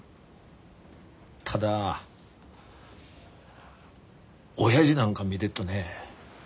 ただおやじなんか見でっとね